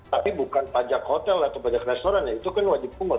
tapi bukan pajak hotel atau pajak restoran ya itu kan wajib pungut